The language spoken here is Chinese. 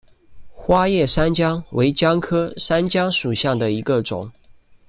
花叶山姜为姜科山姜属下的一个种。